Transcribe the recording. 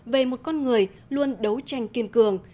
về một con người luôn đấu tranh kiên cường